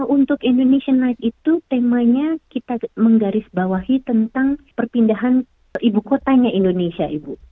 untuk indonesian night itu temanya kita menggarisbawahi tentang perpindahan ibu kotanya indonesia ibu